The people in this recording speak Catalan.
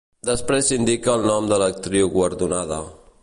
Després s'indica el nom de l'actriu guardonada.